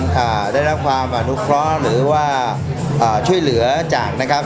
อ่าได้รับความอนุเคราะห์หรือว่าอ่าช่วยเหลือจากนะครับ